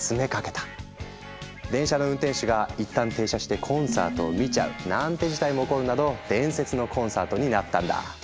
電車の運転手が一旦停車してコンサートを見ちゃうなんて事態も起こるなど伝説のコンサートになったんだ。